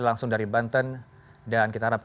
langsung dari banten dan kita harap